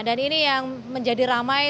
dan ini yang menjadi ramai